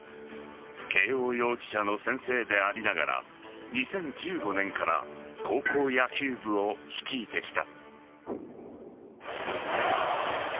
慶応幼稚舎の先生でありながら２０１５年から高校野球部を率いてきた。